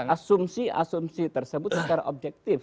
asumsi asumsi tersebut secara objektif